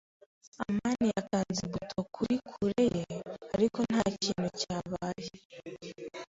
amani yakanze buto kuri kure ye, ariko ntakintu cyabaye.